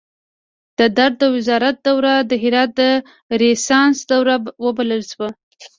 د ده د وزارت دوره د هرات د ریسانس دوره وبلل شوه.